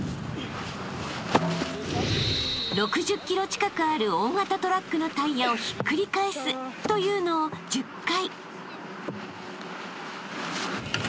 ［６０ｋｇ近くある大型トラックのタイヤをひっくり返すというのを１０回］